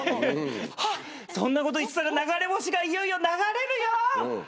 あっそんなこと言ってたら流れ星がいよいよ流れるよ。